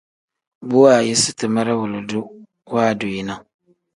Bu waayisi timere wilidu waadu yi ne.